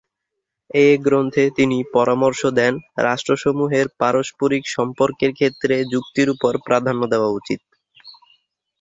এ গ্রন্থে তিনি পরামর্শ দেন, রাষ্ট্রসমূহের পারস্পরিক সম্পর্কের ক্ষেত্রে যুক্তির উপর প্রাধান্য দেওয়া উচিত।